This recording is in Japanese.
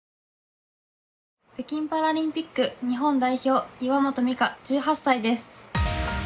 北京パラリンピック日本代表、岩本美歌、１８歳です。